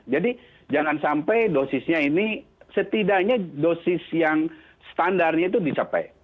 jadi jangan sampai dosisnya ini setidaknya dosis yang standarnya itu disampaikan